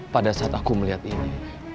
pada saat aku melihat ini